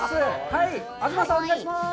東さん、お願いします。